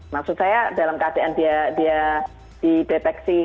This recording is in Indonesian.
maksud saya dalam keadaan dia dideteksi